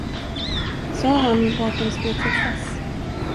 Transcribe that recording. Sa han var de skulle träffas?